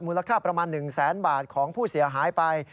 ค่าประมาณ๑แสนบาทของผู้เสียหายไป